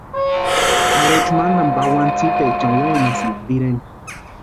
Tʼarhechu mantani pawani tsipaechani wenasïnti pireni.